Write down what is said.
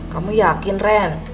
kamu yakin ren